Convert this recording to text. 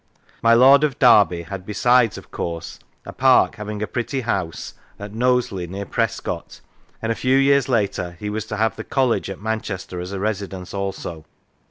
My Lord of Derby had besides, of course, " a park having a pretty house " at Knowsley, near Prescot, and a few years later he was to have the College at Man chester as a residence also.